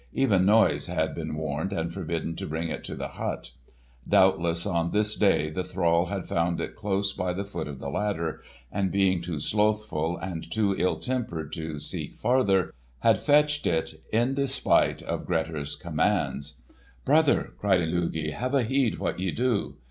Even Noise had been warned and forbidden to bring it to the hut. Doubtless on this day the thrall had found it close by the foot of the ladder, and being too slothful and too ill tempered to seek farther, had fetched it in despite of Grettir's commands. "Brother," cried Illugi, "have a heed what ye do!"